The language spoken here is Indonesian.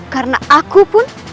karena aku pun